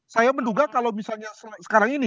saya menduga kalau misalnya sekarang ini